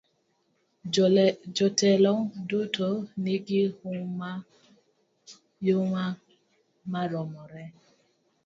Jotelo duto nigi huma maromre.